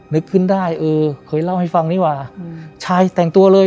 นึกขึ้นได้เออเคยเล่าให้ฟังดีกว่าชายแต่งตัวเลย